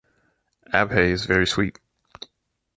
Abhay is very sweet.